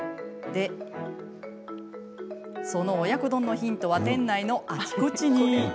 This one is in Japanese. で、その親子丼のヒントは店内のあちこちに。